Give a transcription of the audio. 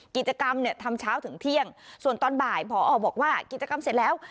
กิจกรรมเนี่ยทำเช้าถึงเที่ยงส่วนตอนบ่ายพอบอกว่ากิจกรรมเสร็จแล้ว